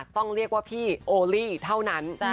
ต้องเรียกว่าพี่โอลี่เท่านั้น